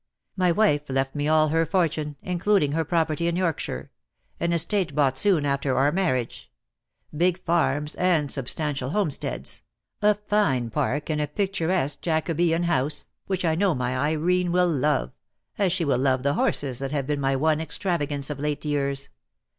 My wife left me all her fortune, in cluding her property in Yorkshire — an estate bought soon after our marriage — big farms and substantial homesteads, a fine park and a picturesque Jacobean house, which I know my Irene will love — as she will love the horses that have been my one extravagance of late years.